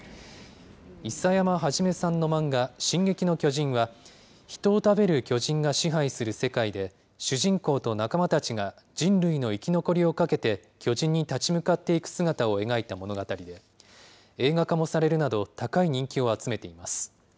諌山創さんの漫画、進撃の巨人は人を食べる巨人が支配する世界で、主人公と仲間たちが人類の生き残りをかけて、巨人に立ち向かっていく姿を描いた物語で、映画化もされるなど高い人気を集めています。